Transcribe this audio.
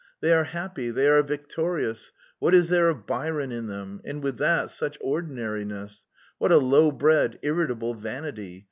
They are happy, they are victorious! What is there of Byron in them!... and with that, such ordinariness! What a low bred, irritable vanity!